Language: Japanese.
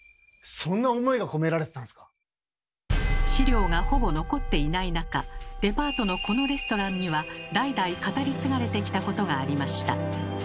資料がほぼ残っていない中デパートのこのレストランには代々語り継がれてきたことがありました。